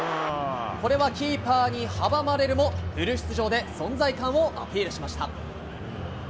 これはキーパーに阻まれるも、フル出場で存在感をアピールしました。